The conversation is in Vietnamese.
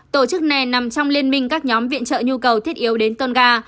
tổ chức này nằm trong liên minh các nhóm viện trợ nhu cầu thiết yếu đến tonga